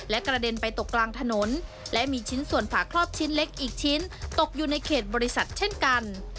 และกระเด็นไปตกกลางถนนและมีชิ้นส่วนฝาครอบชิ้นเล็กอีกชิ้นตกอยู่ในเขตบริษัทเช่นกัน